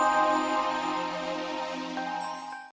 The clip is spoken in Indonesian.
udah pada pulang nih